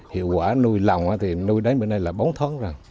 hiệu quả nuôi lòng thì nuôi đến bữa nay là bốn tháng rồi